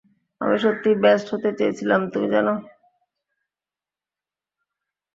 আমি সত্যিই বেস্ট হতে চেয়েছিলাম, তুমি জানো।